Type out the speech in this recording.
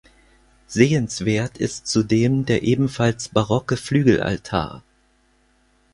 Sehenswert ist zudem der ebenfalls barocke Flügelaltar.